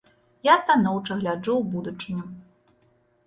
Я станоўча гляджу ў будучыню.